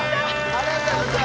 ありがとうございます！